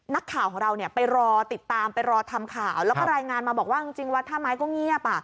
นักข่าวของเราไปรอติดตามไปรอทำข่าวแล้วก็รายงานมาบอกว่าจริงวัดท่าไม้ก็เงียบ